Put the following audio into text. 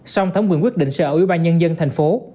song thống quyền quyết định sẽ ở ubnd tp